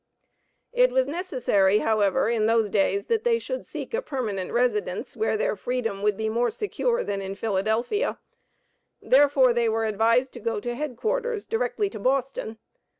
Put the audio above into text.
It was necessary, however, in those days, that they should seek a permanent residence, where their freedom would be more secure than in Philadelphia; therefore they were advised to go to headquarters, directly to Boston.